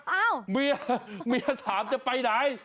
อ้าวเมียเมียถามจะไปไหน